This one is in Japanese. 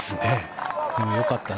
でもよかった。